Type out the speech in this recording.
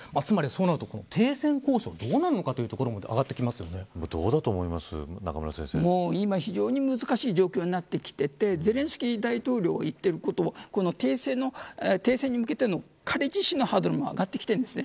その後、停戦交渉はどうなるのかというところまで今、非常に難しい状況になってきていてゼレンスキー大統領が言っていることは停戦に向けての彼自身のハードルが上がってきているんです。